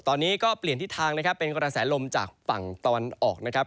ตอนนี้ก็เปลี่ยนทิศทางนะครับเป็นกระแสลมจากฝั่งตะวันออกนะครับ